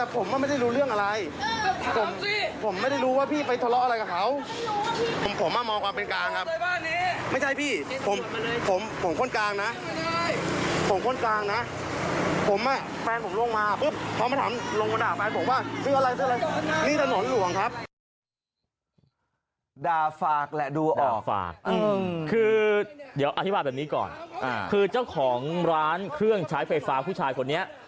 คือเดี๋ยวอธิบายแบบนี้ก่อนคือเจ้าของร้านเครื่องใช้ไฟฟ้าผู้ชายคนนี้